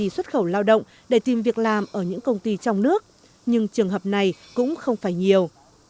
có thể đi xuất khẩu lao động để tìm việc làm ở những công ty trong nước nhưng trường hợp này cũng không phải nhiều